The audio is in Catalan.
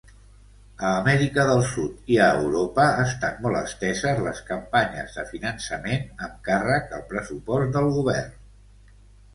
A Amèrica del Sud i a Europa estan molt esteses les campanyes de finançament amb càrrec al pressupost del govern.